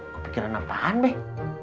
kepikiran apaan beh